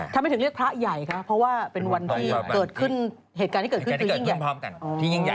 ทำไมถึงเรียกพระใหญ่คะเพราะว่าเป็นวันที่เกิดขึ้น